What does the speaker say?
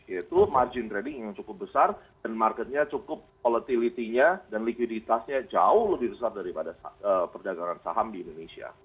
yaitu margin trading yang cukup besar dan marketnya cukup volatility nya dan likuiditasnya jauh lebih besar daripada perdagangan saham di indonesia